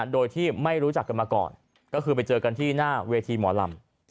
โดยที่ไม่รู้จักกันมาก่อนก็คือไปเจอกันที่หน้าเวทีหมอลำ